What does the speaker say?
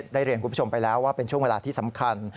ได้เรียนคุณผู้ชมไปแล้วว่าเป็นช่วงเวลาที่สำคัญ